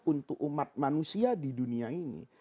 untuk umat manusia di dunia ini